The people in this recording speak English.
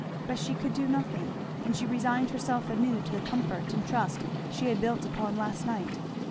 But she could do nothing, and she resigned herself anew to the comfort and trust she had built upon last night.